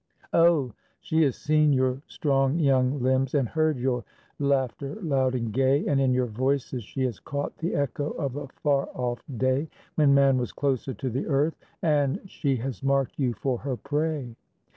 Oh! she has seen your strong young limbs, And heard your laughter loud and gay, And in your voices she has caught The echo of a far off day, When man was closer to the earth; And she has marked you for her prey.